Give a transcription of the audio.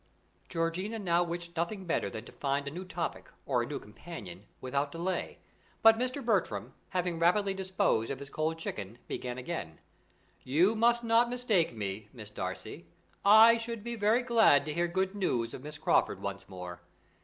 Georgiana now wished nothing better than to find a new topic or a new companion without delay; but Mr. Bertram, having rapidly disposed of his cold chicken, began again: "You must not mistake me, Miss Darcy. I should be very glad to hear good news of Miss Crawford once more.